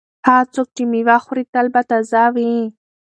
هغه څوک چې مېوه خوري تل به تازه وي.